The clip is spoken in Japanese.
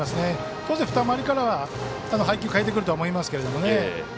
当然、二回り目からは配球を変えてくるとは思いますけどね。